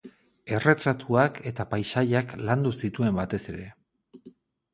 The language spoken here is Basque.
Erretratuak eta paisaiak landu zituen batez ere.